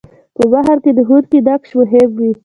په بهير کې د ښوونکي نقش مهم وي.